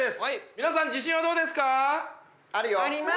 皆さん自信はどうですか？